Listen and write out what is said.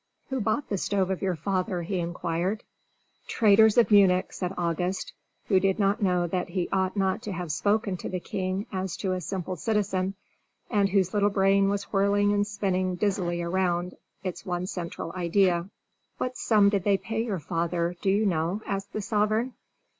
"Who bought the stove of your father?" he inquired. "Traders of Munich," said August, who did not know that he ought not to have spoken to the king as to a simple citizen, and whose little brain was whirling and spinning dizzily round its one central idea. "What sum did they pay your father, do you know?" asked the sovereign.